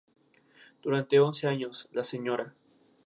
Durante once años, la Sra.